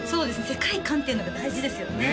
世界観っていうのが大事ですよね